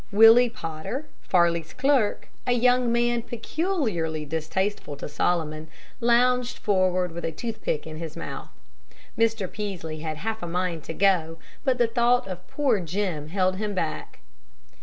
Willie Potter, Farley's clerk, a young man peculiarly distasteful to Solomon, lounged forward with a toothpick in his mouth. Mr. Peaslee had half a mind to go, but the thought of poor Jim held him back.